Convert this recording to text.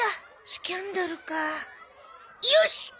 スキャンダルか。よしっ！